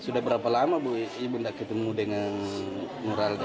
sudah berapa lama ibu ibu tidak ketemu dengan nurhalda